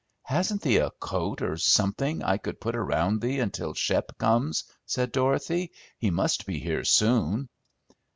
"Hasn't thee a coat or something I could put around me until Shep comes?" said Dorothy. "He must be here soon."